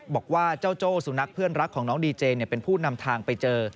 บอกว่าเจ้าโจ้สุนัขเพื่อนรักของน้องดีเจเป็นผู้นำทางไปเจอ